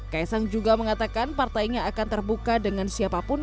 kaisang juga mengatakan partainya akan terbuka dengan siapapun